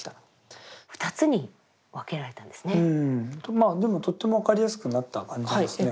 まあでもとっても分かりやすくなった感じですね。